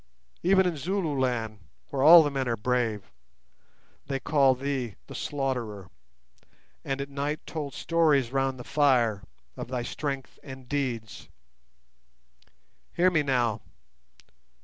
Even in Zululand, where all the men are brave, they called thee the 'Slaughterer', and at night told stories round the fire of thy strength and deeds. Hear me now.